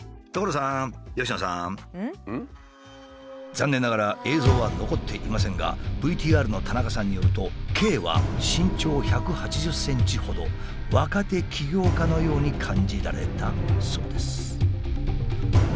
残念ながら映像は残っていませんがＶＴＲの田中さんによるとＫは身長１８０ｃｍほど若手起業家のように感じられたそうです。